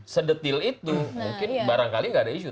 sedetil itu mungkin barangkali nggak ada isu